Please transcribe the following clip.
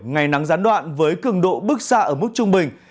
ngày nắng gián đoạn với cường độ bước xa ở mức trung bình